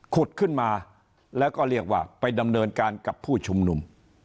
ขุดขึ้นมาแล้วก็เรียกว่าไปดำเนินการกับผู้ชุมนุม